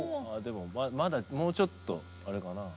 まだもうちょっとあれかな。